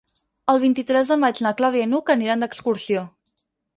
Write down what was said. El vint-i-tres de maig na Clàudia i n'Hug aniran d'excursió.